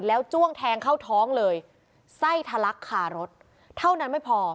แล้วจ้วงแทงเข้าท้องเลยไส้ทะลักคารถเท่านั้นไม่พอ